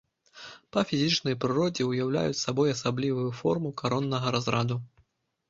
Па фізічнай прыродзе ўяўляюць сабой асаблівую форму кароннага разраду.